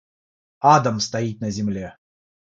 Адом стоит на земле.